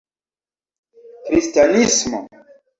kristanismo